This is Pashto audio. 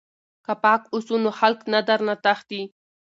که پاک اوسو نو خلک نه درنه تښتي.